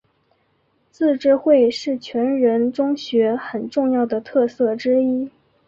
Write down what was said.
自治会是全人中学很重要的特色之一。